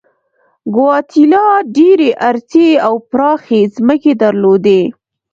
ګواتیلا ډېرې ارتې او پراخې ځمکې درلودلې.